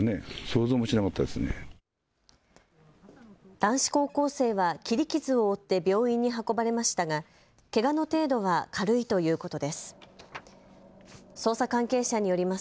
男子高校生は切り傷を負って病院に運ばれましたがけがの程度は軽いということです。